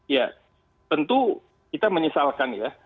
ya tentu kita menyesalkan ya